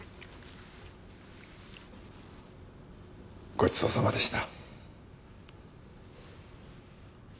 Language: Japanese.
ごちそうさまでした。